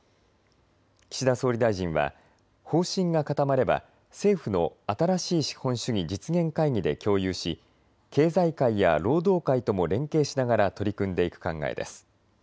岸田総理大臣は方針が固まれば政府の新しい資本主義実現会議で共有し、経済界や労働界とも連携しながら取り組んでいく考えです。